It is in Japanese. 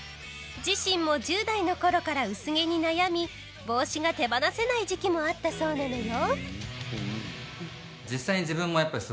自身も１０代のころから薄毛に悩み帽子が手放せない時期もあったそうなのよ。